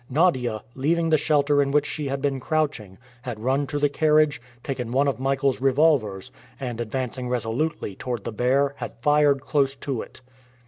Nadia, leaving the shelter in which she had been crouching, had run to the carriage, taken one of Michael's revolvers, and, advancing resolutely towards the bear, had fired close to it.